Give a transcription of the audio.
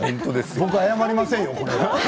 僕謝りませんよ